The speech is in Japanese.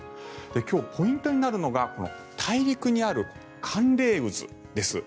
今日、ポイントになるのがこの大陸にある寒冷渦です。